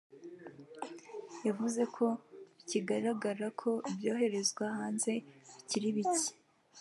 yavuze ko bikigaragara ko ibyoherezwa hanze bikiri bike